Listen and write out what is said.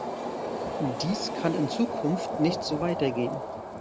Dies kann in Zukunft nicht so weitergehen.